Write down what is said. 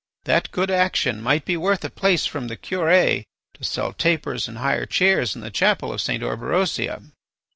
That good action might be worth a place from the Curé to sell tapers and hire chairs in the chapel of St. Orberosia."